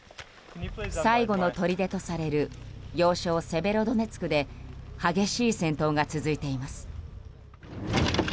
最後とのとりでとされる要衝セベロドネツクで激しい戦闘が続いています。